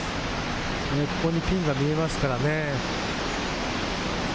前方にピンが見えますからね。